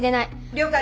了解！